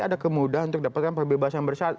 ada kemudahan untuk dapatkan perbebasan bersih